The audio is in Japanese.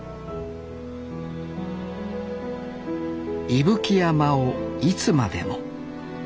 伊吹山をいつまでも。